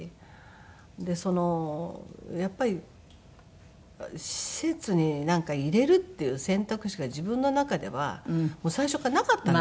でやっぱり施設に入れるっていう選択肢が自分の中では最初からなかったんですよ。